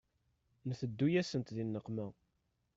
Nteddu-yasent di nneqma.